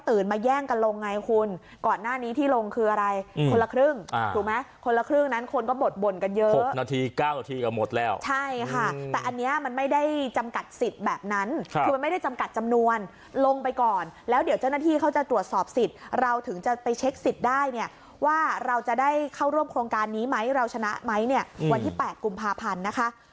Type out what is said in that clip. แต่อันนี้มันไม่ได้จำกัดสิทธิ์แบบนั้นคือไม่ได้จำกัดจำนวนลงไปก่อนแล้วเดี๋ยวเจ้าหน้าที่เขาจะตรวจสอบสิทธิ์เราถึงจะไปเช็คสิทธิ์ได้เนี่ยว่าเราจะได้เข้าร่วมโครงการนี้ไหมเราชนะไหมเนี่ยวันที่๘กุมภาพันธ์นะคะ